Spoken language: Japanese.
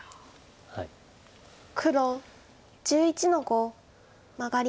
黒１１の五マガリ。